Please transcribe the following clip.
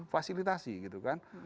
fasilitasi gitu kan